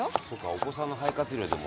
お子さんの肺活量でもね